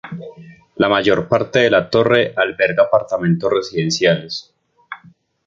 La mayor parte de la torre alberga apartamentos residenciales.